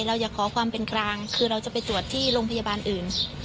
เราอยากขอความเป็นกลางคือเราจะไปตรวจที่โรงพยาบาลอื่น